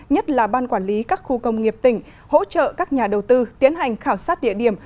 nhất là ban quản lý các khu công nghiệp tỉnh hỗ trợ các nhà đầu tư tiến hành khảo sát địa điểm